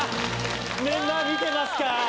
メンバー見てますか？